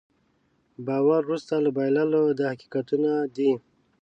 باور وروسته له بایللو دا حقیقتونه دي.